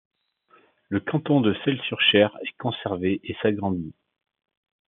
Le canton de Selles-sur-Cher est conservé et s'agrandit.